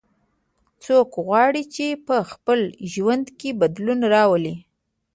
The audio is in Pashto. څوک غواړي چې په خپل ژوند کې بدلون راولي